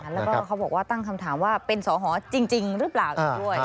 แล้วก็เขาบอกว่าตั้งคำถามว่าเป็นสอหอจริงหรือเปล่าอีกด้วย